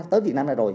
tới việt nam này rồi